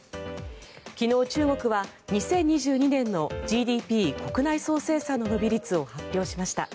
昨日、中国は２０２２年のＧＤＰ・国内総生産の伸び率を発表しました。